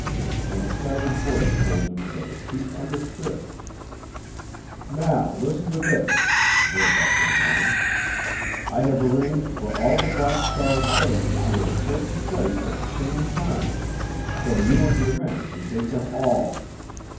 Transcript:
An excited voice told him that the chief understood. "Now, listen to this," Verbeck went on. "I have arranged for all the Black Star's band to be at a certain place at the same time, so you and your men can take them all.